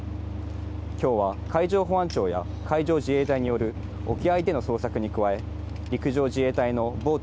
今日は海上保安庁や海上自衛隊による沖合での捜索に加え、陸上自衛隊のボート